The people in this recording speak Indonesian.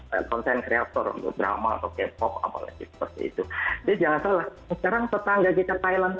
hai konten kreator drama atau kepo apalagi seperti itu jadi jangan salah sekarang tetangga kita thailand